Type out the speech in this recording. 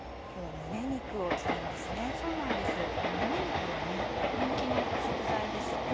胸肉は人気の食材ですよね。